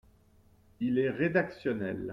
Il est rédactionnel.